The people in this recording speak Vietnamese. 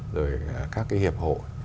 rồi các cái hiệp hội